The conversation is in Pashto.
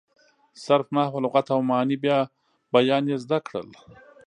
صرف، نحو، لغت او معاني بیان یې زده کړل.